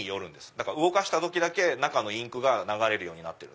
だから動かした時だけインクが流れるようになってる。